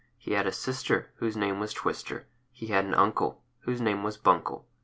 He had a sister Whose name was Twister. He had an uncle Whose name was Buncle.